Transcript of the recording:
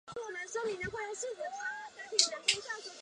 清水县是美国明尼苏达州北部的一个县。